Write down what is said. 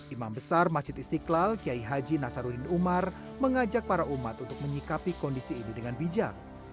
imam besar masjid istiqlal kiai haji nasaruddin umar mengajak para umat untuk menyikapi kondisi ini dengan bijak